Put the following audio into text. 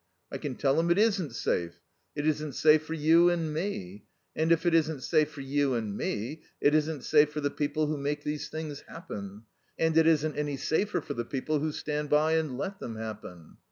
"I can tell him it isn't safe. It isn't safe for you and me. And if it isn't safe for you and me, it isn't safe for the people who make these things happen; and it isn't any safer for the people who stand by and let them happen.